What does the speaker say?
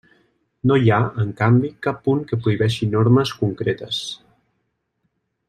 No hi ha, en canvi, cap punt que prohibeixi normes concretes.